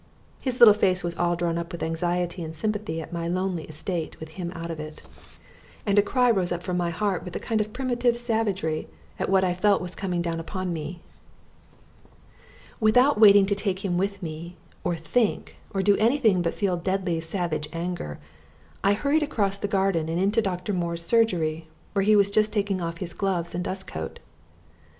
His little face was all drawn up with anxiety and sympathy at my lonely estate with him out of it, and a cry rose up from my heart with a kind of primitive savagery at what I felt was coming down upon me. Without waiting to take him with me, or think, or do anything but feel deadly savage anger, I hurried across the garden and into Dr. Moore's surgery, where he was just taking off his gloves and dust coat.